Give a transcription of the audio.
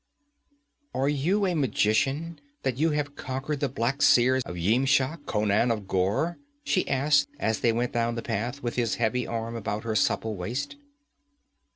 'Are you a magician, that you have conquered the Black Seers of Yimsha, Conan of Ghor?' she asked, as they went down the path, with his heavy arm about her supple waist.